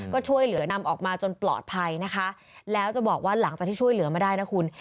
ก็ช่วยเหลือนำออกมาจนปลอดภัยนะคะแล้วจะบอกว่าหลังจากที่ช่วยเหลือมาได้นะคุณ